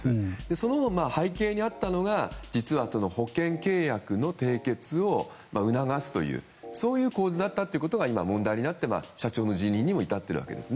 その背景にあったのが保険契約の締結を促すという構図だったことが分かって今、問題になって社長の辞任に至っているわけです。